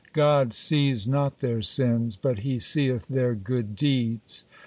God sees not their sins, but He seeth their good deeds.